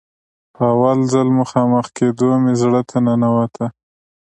په اول ځل مخامخ کېدو مې زړه ته ننوته.